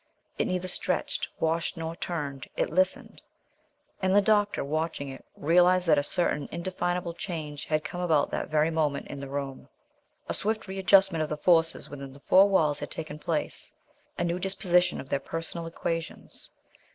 It neither stretched, washed nor turned: it listened. And the doctor, watching it, realized that a certain indefinable change had come about that very moment in the room. A swift readjustment of the forces within the four walls had taken place a new disposition of their personal equations.